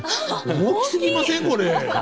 大きすぎませんこれ？